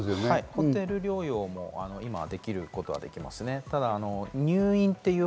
ホテル療養も今できることはできますね。